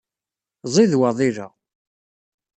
Ẓid waḍil-a.